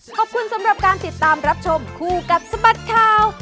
ขอบคุณสำหรับการติดตามรับชมคู่กับสบัดข่าว